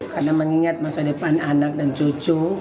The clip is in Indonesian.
karena mengingat masa depan anak dan cucu